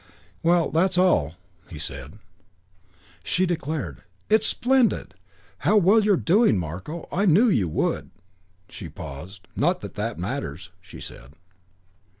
"Well, that's all," he said. She declared, "It's splendid. How well you're doing, Marko. I knew you would." She paused. "Not that that matters," she said.